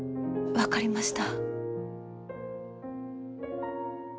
分かりました。